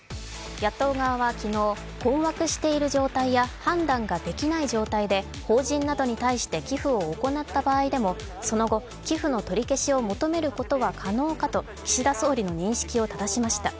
野党側は昨日、困惑している状態や判断ができない状態で法人などに対して寄付を行った場合でもその後、寄付の取り消しを求めることは可能かと岸田総理の認識をただしました。